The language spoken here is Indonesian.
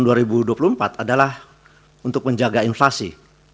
tahun dua ribu dua puluh empat adalah untuk menjaga inflasi